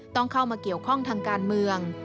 ต้องเข้ามาเกี่ยวข้องทางการเมือง